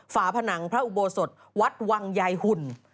ฝาผนังพระอุโบสถวัดวังยายหุ่น